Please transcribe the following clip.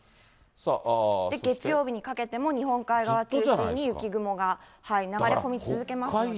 月曜日にかけても日本海側中心に雪雲が流れ込み続けますので。